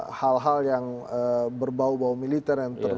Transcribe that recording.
ada hal hal yang berbau bau militer